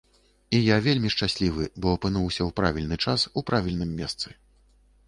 І я вельмі шчаслівы, бо апынуўся ў правільны час у правільным месцы.